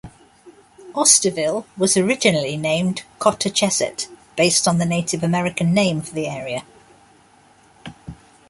Osterville was originally named Cotacheset, based on the Native American name for the area.